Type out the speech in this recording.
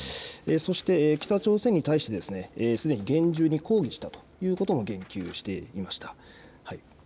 そして北朝鮮に対してすでに厳重に抗議したということも言及していました。